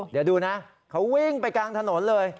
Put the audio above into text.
เดี๋ยวดูนะเขาวิ่งไปกลางถนนเลย